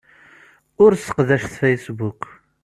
Ur sseqdacet Facebook.